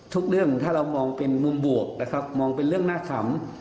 ทุกเรื่องถ้าเรามองเป็นมุมบวกนะครับมองเป็นเรื่องน่าขำ